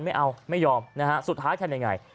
ไม่เอาไม่ยอมนะฮะสุดท้ายทำยังไง